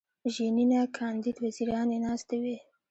ژینینه کاندید وزیرانې ناستې وې.